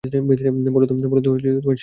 বলো তো সে কখন যাবে।